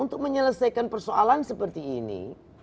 untuk menyelesaikan persoalan seperti ini